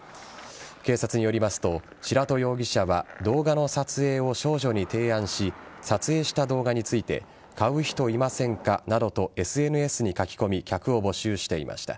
警察によりますと白戸容疑者は動画の撮影を少女に提案し撮影した動画について買う人いませんかなどとＳＮＳに書き込み客を募集していました。